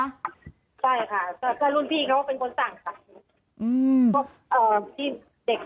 ใช่ค่ะถ้ารุ่นพี่เขาเป็นคนสั่งค่ะ